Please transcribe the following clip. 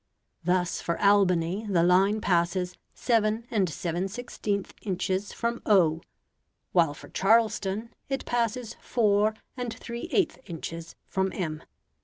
Thus for Albany the line passes seven and seven sixteenth inches from O, while for Charleston it passes four and three eighth inches from M.